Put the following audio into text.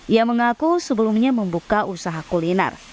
ia mengaku sebelumnya membuka usaha kuliner